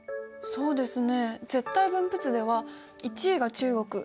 そうですね。